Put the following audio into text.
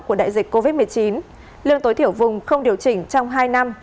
trong thời gian của đại dịch covid một mươi chín lương tối thiểu vùng không điều chỉnh trong hai năm